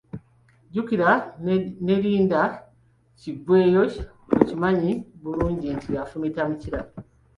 Jjukira ne linda kiggweeyo okimanyi bulungi nti afumita mukira.